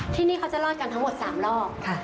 ที่นี่เขาจะรอดกันทั้งหมด๓รอบ